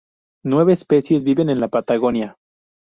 Nueve especies viven en la Patagonia.